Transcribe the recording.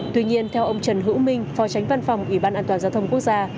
tuy nhiên theo ông trần hữu minh phò tránh văn phòng ủy ban an toàn giao thông quốc gia